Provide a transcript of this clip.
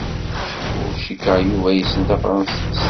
Ur cikkeɣ Yuba yessen tafṛensist.